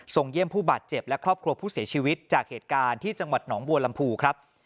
เยี่ยมผู้บาดเจ็บและครอบครัวผู้เสียชีวิตจากเหตุการณ์ที่จังหวัดหนองบัวลำพูครับ